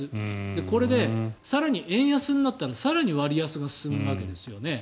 これで更に円安になったら更に割安が進むわけですよね。